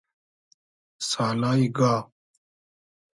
سالای گا